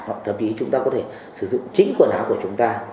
hoặc thậm chí chúng ta có thể sử dụng chính quần áo của chúng ta